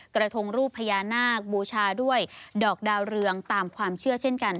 กระทงรูปพญานาคบูชาด้วยดอกดาวเรืองตามความเชื่อเช่นกัน